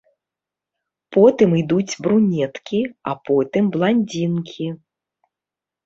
Потым ідуць брунеткі, а потым бландзінкі.